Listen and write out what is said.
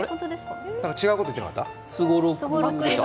何か違うこと言ってなかった？